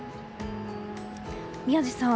宮司さん